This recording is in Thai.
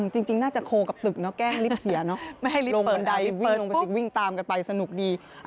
จริงน่าจะโคกับตึกเนาะแกล้งลิฟต์เสียเนาะไม่ให้ลิฟต์ลงบันไดปีนลงไปวิ่งตามกันไปสนุกดี